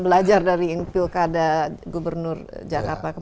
belajar dari pilkada gubernur jakarta kemarin kan